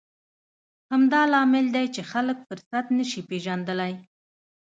همدا لامل دی چې خلک فرصت نه شي پېژندلی.